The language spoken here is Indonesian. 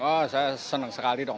oh saya senang sekali dong